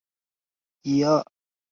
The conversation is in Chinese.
太多的事情没时间搂